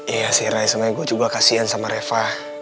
iya sih ray sebenernya gue juga kasian sama reva